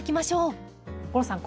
吾郎さん